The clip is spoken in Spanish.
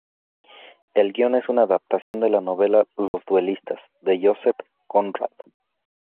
El guion es una adaptación de la novela "Los duelistas", de Joseph Conrad.